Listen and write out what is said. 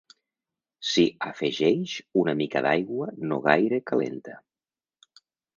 S'hi afegeix una mica d'aigua no gaire calenta.